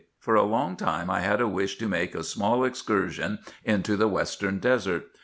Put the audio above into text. For a long time I had a wish to make a small excursion into the western desert.